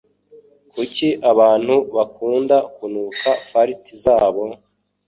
Kuki abantu bakunda kunuka farts zabo?